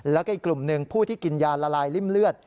แล้วก็อีกกลุ่มหนึ่งผู้ที่กินยาละลายริ่มเลือด